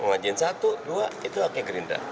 mengajuin satu dua itu oke gerindra